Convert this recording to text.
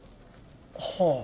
はあ。